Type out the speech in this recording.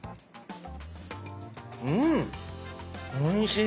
うんおいしい。